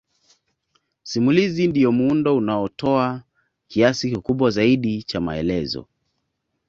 Simulizi ndiyo muundo unaotoa kiasi kikubwa zaidi cha maelezo